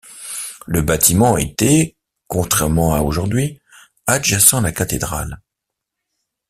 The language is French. Le bâtiment était, contrairement à aujourd'hui, adjacent à la cathédrale.